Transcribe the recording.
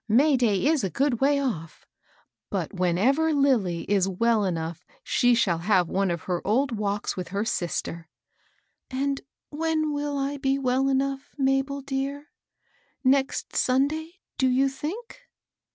May day is a good way off; bttt whenever Lilly is well enough she shall have one of her old walks with her sister." "And when will I be well enough, Mabel dear? — next Sunday, do you think?"